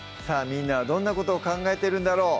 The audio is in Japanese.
みんなはどんなことを考えてるんだろう